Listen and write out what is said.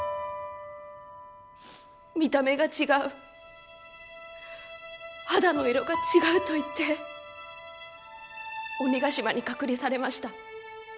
見た目が違う肌の色が違うといって鬼ヶ島に隔離されました。